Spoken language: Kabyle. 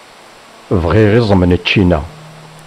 Bɣiɣ iẓem n ččina.